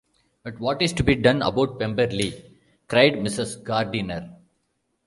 “But what is to be done about Pemberley?” cried Mrs. Gardiner.